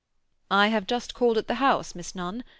"I have just called at the house, Miss Nunn.